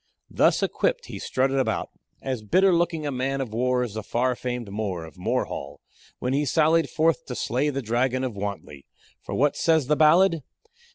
Thus equipped, he strutted about, as bitter looking a man of war as the far famed More, of Morehall, when he sallied forth to slay the dragon of Wantley. For what says the ballad?